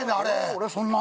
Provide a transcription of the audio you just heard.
俺そんな？